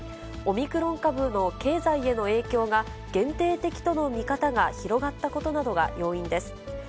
オミクロン株の経済への影響が限定的との見方が広がったことなどが要因です。